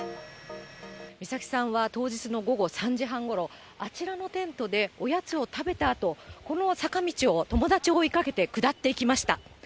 美咲さんは当日の午後３時半ごろ、あちらのテントでおやつを食べたあと、この坂道を友達を追いかけて下っていきました。